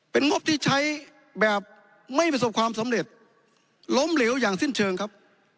เป็นงบที่ใช้แบบไม่ประสบความสำเร็จล้มเหลวอย่างสิ้นเชิงครับ